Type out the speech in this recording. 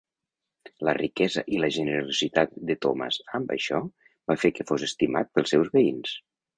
La riquesa i la generositat de Thomas amb això va fer que fos estimat pels seus veïns.